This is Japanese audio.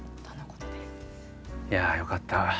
いやよかった。